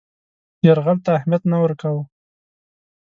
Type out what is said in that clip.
یرغل ته اهمیت نه ورکاوه.